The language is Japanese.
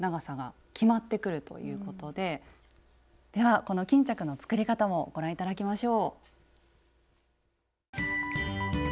この巾着の作り方もご覧頂きましょう。